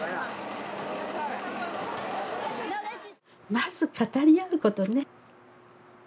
まず語り合うことね。